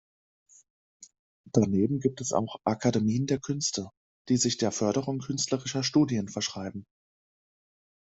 Daneben gibt es auch "Akademien der Künste", die sich der Förderung künstlerischer Studien verschreiben.